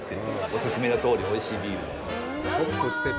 オススメのとおり、おいしいビールです。